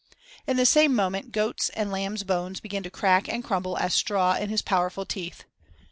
In the same moment goat's and lamb's bones began to crack and crumble as straw in his powerful teeth.